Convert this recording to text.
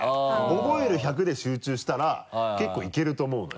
覚える１００で集中したら結構いけると思うのよ。